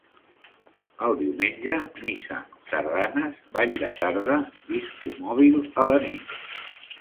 El diumenge, missa, sardanes, ball de tarda, discomòbil a la nit.